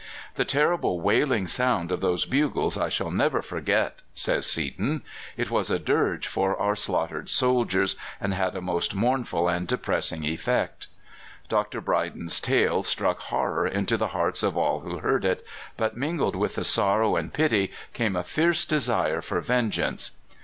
"The terrible wailing sound of those bugles I shall never forget," says Seaton. "It was a dirge for our slaughtered soldiers, and had a most mournful and depressing effect." Dr. Brydon's tale struck horror into the hearts of all who heard it, but mingled with the sorrow and pity came a fierce desire for vengeance.